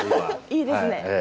いいですね。